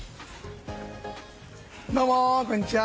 どうも、こんにちは。